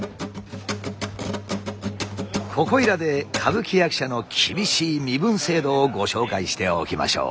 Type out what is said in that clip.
ここいらで歌舞伎役者の厳しい身分制度をご紹介しておきましょう。